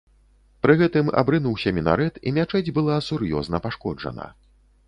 Пры гэтым абрынуўся мінарэт і мячэць была сур'ёзна пашкоджана.